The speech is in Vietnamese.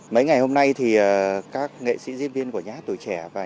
mấy ngày hôm nay thì các nghệ sĩ diễn viên của nhà hát tuổi trẻ và nhà hát tuổi trẻ